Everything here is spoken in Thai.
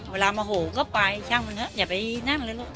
โมโหก็ไปช่างมันเถอะอย่าไปนั่งเลยลูก